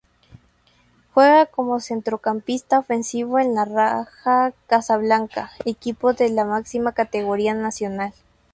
Juega como centrocampista ofensivo en el Raja Casablanca, equipo de la máxima categoría nacional.